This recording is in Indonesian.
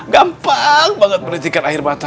gampang banget menitikan air mata